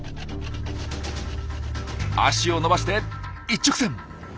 足を伸ばして一直線！